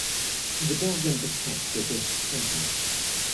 The dog and the cat were best friends.